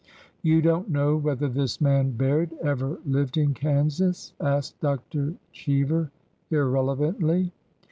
" You don't know whether this man Baird ever lived in Kansas?" asked Dr. Cheever, irrelevantly.